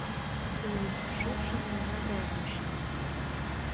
Ой, шокшо мелна гаяк вучена!